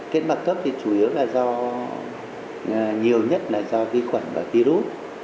kết mạc cấp thì chủ yếu là do nhiều nhất là do vi khuẩn và virus